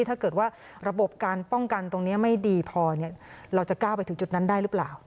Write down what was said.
ถ้าเกิดว่าระบบการป้องกันตรงนี้ไม่ดีพอเราจะก้าวไปถึงจุดนั้นได้หรือเปล่า